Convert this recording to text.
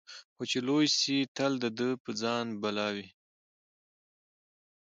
خو چي لوی سي تل د ده په ځان بلاوي